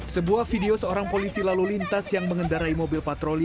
sebuah video seorang polisi lalu lintas yang mengendarai mobil patroli